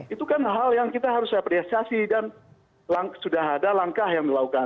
itu kan hal yang kita harus apresiasi dan sudah ada langkah yang dilakukan